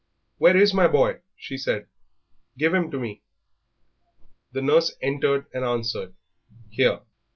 "Where is my boy?" she said; "give him to me." The nurse entered, and answered, "Here."